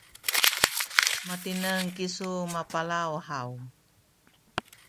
matineng kisu mapalaw haw?